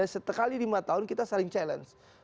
setekali lima tahun kita saling challenge